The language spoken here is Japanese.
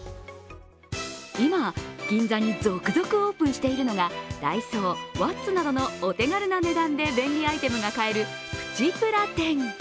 今、銀座に続々オープンしているのがダイソー、Ｗａｔｔｓなどのお手軽な値段で便利アイテムが買えるプチプラ店。